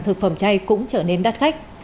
thực phẩm chay cũng trở nên đắt khách